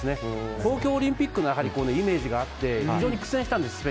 東京オリンピックのイメージがあって非常に苦戦したんです。